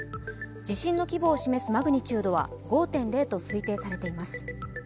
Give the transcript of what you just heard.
地震の規模を示すマグニチュードは５．０と推定されています。